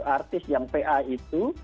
artis yang pa itu